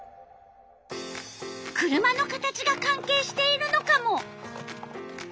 車の形が関係しているのカモ？